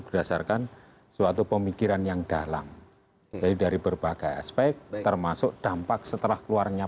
berdasarkan suatu pemikiran yang dalam jadi dari berbagai aspek termasuk dampak setelah keluarnya